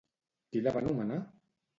Qui la va nomenar?